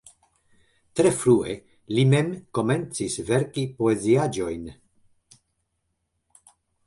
Tre frue li mem komencis verki poeziaĵojn.